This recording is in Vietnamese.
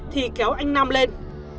thì kéo anh nam lên